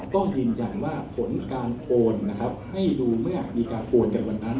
ก็ยืนยันว่าผลการโอนนะครับให้ดูเมื่อมีการโอนกันวันนั้น